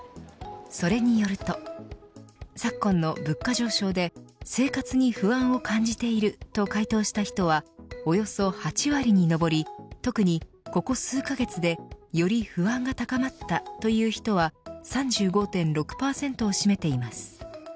それによると昨今の物価上昇で生活に不安を感じていると回答した人はおよそ８割に上り特に、ここ数カ月でより不安が高まったという人は３５．６％を占めています。